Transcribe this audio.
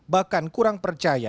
bahkan kurang percaya